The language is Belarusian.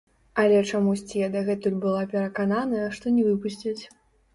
Але чамусьці я дагэтуль была перакананая, што не выпусцяць.